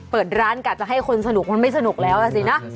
เปิดร้านกะจะให้คนสนุกมันไม่สนุกแล้วล่ะสินะ